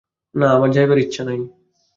না, আমার যাইবার ইচ্ছা নাই।